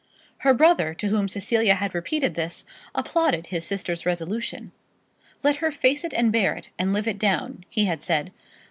Her brother, to whom Cecilia had repeated this, applauded his sister's resolution. "Let her face it and bear it, and live it down," he had said.